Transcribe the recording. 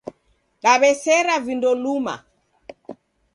Daw'esera vindo luma